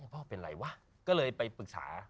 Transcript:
พ่อเป็นอะไรวะก็เลยไปปรึกษา